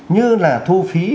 như là thu phí